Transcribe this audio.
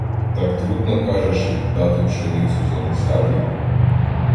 Так трудно, кажеш, віддати пшеницю за десятий?